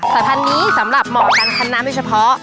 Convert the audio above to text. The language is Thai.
แต่พันนี้สำหรับเหมาะกับขานน้ำแต่เฉพาะ